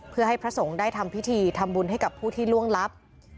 เพื่อให้พระสงฆ์ได้ทำพิธีทำบุญให้กับผู้ที่ล่วงลับ